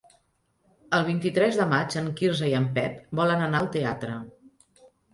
El vint-i-tres de maig en Quirze i en Pep volen anar al teatre.